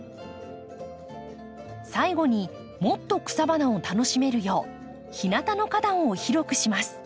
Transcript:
最後にもっと草花を楽しめるよう日なたの花壇を広くします。